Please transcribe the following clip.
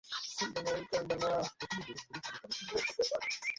প্রথমে গরুর ভুড়ি ভালো করে ধুয়ে নিন।